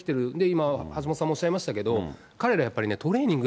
今、橋下さんもおっしゃいましたけど、彼らやっぱりトレーニング